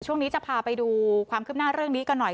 ช่วงนี้จะพาไปดูความคืบหน้าเรื่องนี้กันหน่อย